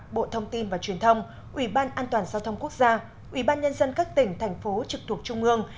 bộ thông tin và truyền thông ủy ban an toàn giao thông quốc gia ủy ban nhân dân các tỉnh thành phố trực thuộc trung ương